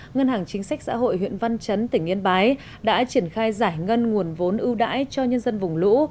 ngân hàng chính sách xã hội huyện văn chấn tỉnh yên bái đã triển khai giải ngân nguồn vốn ưu đãi cho nhân dân vùng lũ